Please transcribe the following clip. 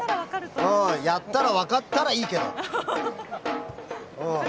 やったら分かったらいいけど。